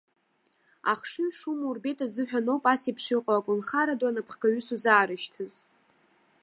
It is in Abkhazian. Ахшыҩ шумоу рбеит азыҳәаноуп асеиԥш иҟоу аколнхара ду анапхгаҩыс узаарышьҭыз.